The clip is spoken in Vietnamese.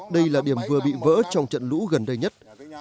đây là điểm vừa bị vỡ trong trận lũ gần đây nhất